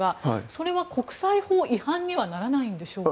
それは国際法違反にはならないんでしょうか？